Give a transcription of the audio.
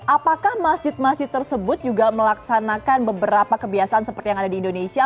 apakah masjid masjid tersebut juga melaksanakan beberapa kebiasaan seperti yang ada di indonesia